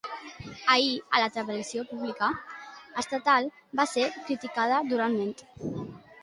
Ahir, la televisió pública estatal va ser criticada durament.